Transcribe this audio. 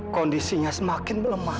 kondisinya semakin melemah